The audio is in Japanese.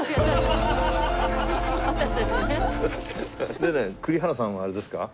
でね栗原さんはあれですか？